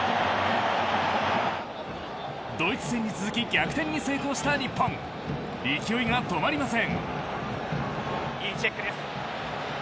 ドイツ戦に続き逆転に成功した日本勢いが止まりません。